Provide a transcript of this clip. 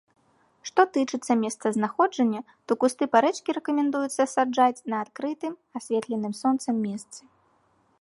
Што ж тычыцца месцазнаходжання, то кусты парэчкі рэкамендуецца саджаць на адкрытым, асветленым сонцам месцы.